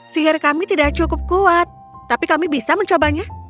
sihir kami tidak cukup kuat tapi kami bisa mencobanya